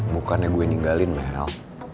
bukannya gue ninggalin mel